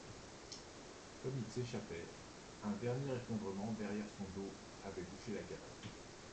Comme il s’échappait, un dernier effondrement, derrière son dos, avait bouché la galerie.